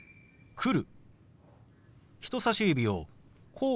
「来る」。